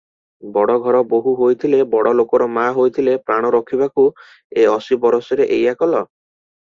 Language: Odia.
ବଡ଼ଘର ବୋହୂ ହୋଇଥିଲ ବଡ଼ଲୋକର ମା' ହୋଇଥିଲ, ପ୍ରାଣ ରଖିବାକୁ ଏ ଅଶୀବରଷରେ ଏଇଆ କଲ?